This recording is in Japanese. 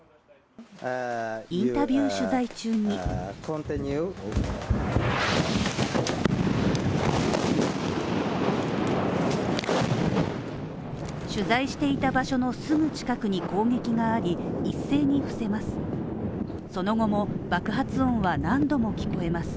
インタビュー取材中に取材していた場所のすぐ近くに攻撃があり、一斉に伏せます。